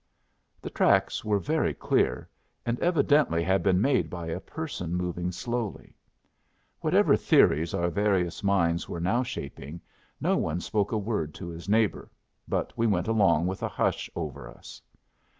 The tracks were very clear, and evidently had been made by a person moving slowly. Whatever theories our various minds were now shaping, no one spoke a word to his neighbor, but we went along with a hush over us.